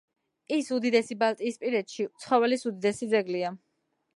ის უდიდესი ბალტიისპირეთში ცხოველის უდიდესი ძეგლია.